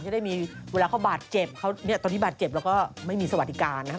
จะได้มีเวลาเขาบาทเจ็บตอนที่บาทเจ็บเราก็ไม่มีสวัสดิการนะฮะ